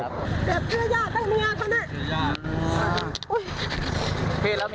แต่เพื่อญาติเพื่อแมวเค้าแล้